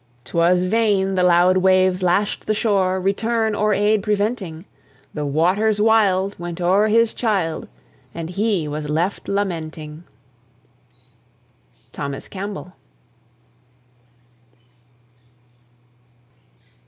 'Twas vain the loud waves lashed the shore, Return or aid preventing; The waters wild went o'er his child, And he was left lamenting. THOMAS CAMPBELL.